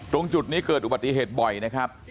ตรงจุดนี้เกิดอุบัติเหตุบ่อยนะครับ